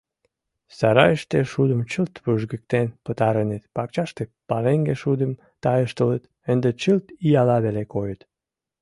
Сарайыште шудым чылт вужгыктен пытареныт, пакчаште пареҥге шудым тайыштылыт, ынде чылт ияла веле койыт.